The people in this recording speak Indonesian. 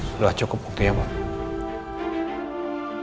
sudah cukup buktinya pak